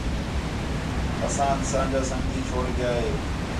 اسانک اساں جا سنڳتی چھوڑ ڳِیا ہے